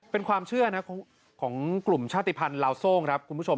เป็นความเชื่อนะของกลุ่มชาติภัณฑ์ลาวโซ่งครับคุณผู้ชม